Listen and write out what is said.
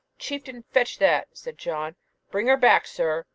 'Chieftain, fetch that!' said John. 'Bring her back, sir!'